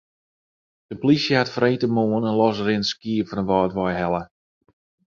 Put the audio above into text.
De polysje hat freedtemoarn in losrinnend skiep fan de Wâldwei helle.